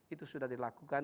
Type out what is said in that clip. itu sudah dilakukan